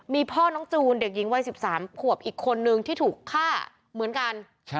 มีพ่อน้องจูนเด็กหญิงวัย๑๓ขวบอีกคนนึงที่ถูกฆ่าเหมือนกัน